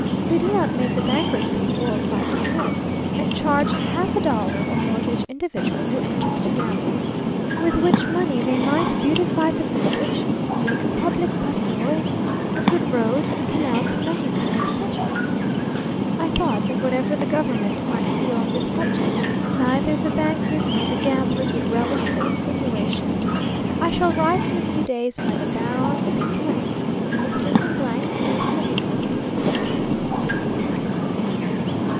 they do not make the bankers pay four or five per cent., and charge half a dollar or more to each individual who enters to gamble; with which money they might beautify the village, make a public pasoe, a good road, a canal to Mexico, etc. I thought that whatever the government might feel on this subject, neither the bankers nor the gamblers would relish the insinuation. I shall write in a few days by the Baron de , Minister from , who leaves Mexico in a fortnight.